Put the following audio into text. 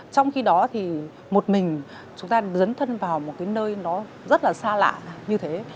trong khi đó thì một mình chúng ta dấn thân vào một cái nơi nó rất là xa lạ như thế